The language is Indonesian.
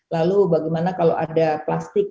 lalu bagaimana kalau ada plastik